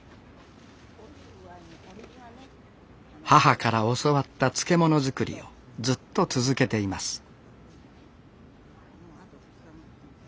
母から教わった漬物作りをずっと続けています